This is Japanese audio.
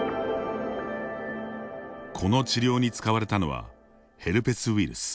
この治療に使われたのはヘルペスウイルス。